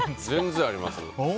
全然あります。